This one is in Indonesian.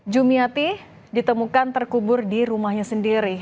jumiati ditemukan terkubur di rumahnya sendiri